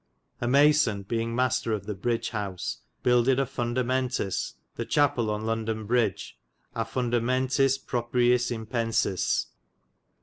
A mason beinge master of the bridge howse buildyd a fundamentis the chapell on London Bridge a fundamentis propriis impensis.